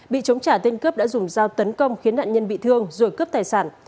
bị chống trả tên cướp đã dùng dao tấn công khiến nạn nhân bị thương rồi cướp tài sản